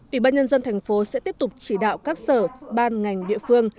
ủy ban nhân dân thành phố sẽ tiếp tục chỉ đạo các sở ban ngành địa phương